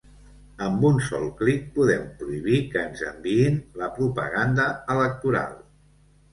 Amb un sol clic, podem prohibir que ens enviïn la propaganda electoral.